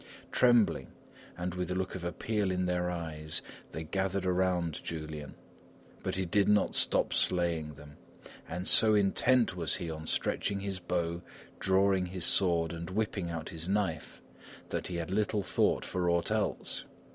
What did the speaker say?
Trembling, and with a look of appeal in their eyes, they gathered around Julian, but he did not stop slaying them; and so intent was he on stretching his bow, drawing his sword and whipping out his knife, that he had little thought for aught else.